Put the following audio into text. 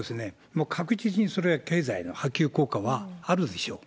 もう確実にそれは経済の波及効果はあるでしょう。